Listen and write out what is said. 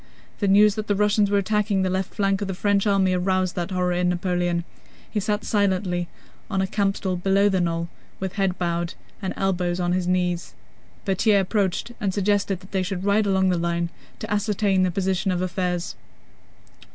The news that the Russians were attacking the left flank of the French army aroused that horror in Napoleon. He sat silently on a campstool below the knoll, with head bowed and elbows on his knees. Berthier approached and suggested that they should ride along the line to ascertain the position of affairs.